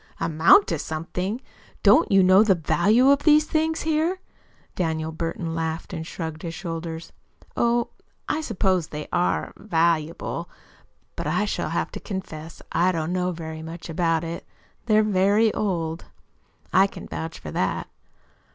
"Amount to something! Don't you know the value of these things here?" Daniel Burton laughed and shrugged his shoulders. "Oh, I suppose they are valuable. But I shall have to confess I DON'T know very much about it. They're very old, I can vouch for that."